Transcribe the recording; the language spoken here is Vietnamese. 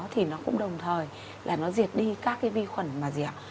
thì nó cũng đồng thời là nó diệt đi các cái vi khuẩn mà rượu